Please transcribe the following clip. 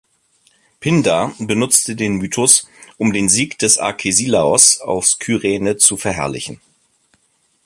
Pindar benutzte den Mythus, um den Sieg des Arkesilaos aus Kyrene zu verherrlichen.